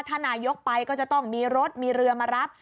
ถ้านายกไปก็จะต้องมีรถมีเรือมารับ